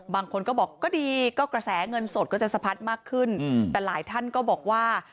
บางคนก็บอกก็ดีก็กระแสเงินสดก็จะสะพัดมากขึ้นแต่หลายท่านก็บอกว่า